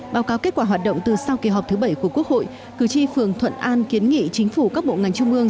báo cáo kết quả hoạt động từ sau kỳ họp thứ bảy của quốc hội cử tri phường thuận an kiến nghị chính phủ các bộ ngành trung ương